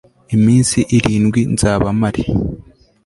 iminsi irindwi nzaba mpari